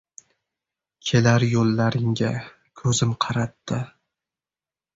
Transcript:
Kelar yo‘llaringga ko‘zim qaratdi.